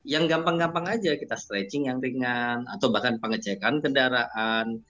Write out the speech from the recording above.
yang gampang gampang aja kita stretching yang ringan atau bahkan pengecekan kendaraan